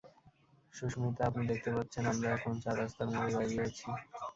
সুস্মিতা, আপনি দেখতে পাচ্ছেন, আমরা এখন চার রাস্তার মোড়ে দাঁড়িয়ে আছি।